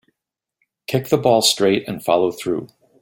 Kick the ball straight and follow through.